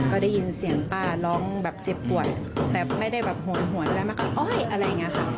ก็ได้ยินเสียงป้าร้องแบบเจ็บปวดแต่ไม่ได้แบบห่วงหวนอะไรมากอะไรอย่างนี้ค่ะ